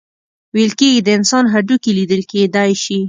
ویل کیږي د انسان هډوکي لیدل کیدی شي.